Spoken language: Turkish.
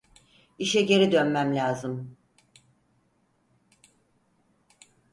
İşe geri dönmem lazım.